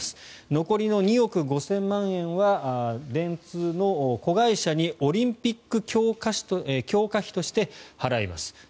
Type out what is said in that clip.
残りの２億５０００万円は電通の子会社にオリンピック強化費として払います。